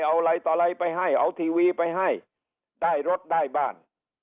เอาอะไรต่ออะไรไปให้เอาทีวีไปให้ได้รถได้บ้าน